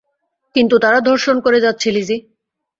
কিন্তু তারা ধর্ষণ করে যাচ্ছে, লিজি।